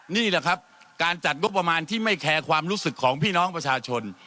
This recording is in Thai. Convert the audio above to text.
นี่แหละครับการจัดงบประมาณที่ไม่แคร์ความรู้สึกของพี่น้องประชาชน